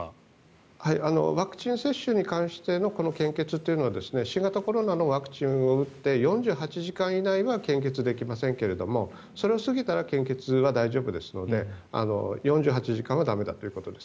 ワクチン接種に関しての献血というのは新型コロナのワクチンを打って４８時間以内は献血できませんけれどそれを過ぎたら献血は大丈夫ですので４８時間は駄目だということです。